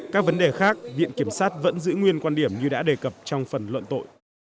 các vấn đề khác viện kiểm sát vẫn giữ nguyên quan điểm như đã đề cập trong phần luận tội